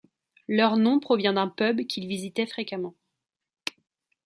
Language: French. Leur nom provient d'un pub qu'ils visitaient fréquemment.